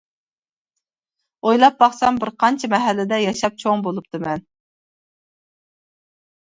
ئويلاپ باقسام بىر قانچە مەھەللىدە ياشاپ چوڭ بولۇپتىمەن.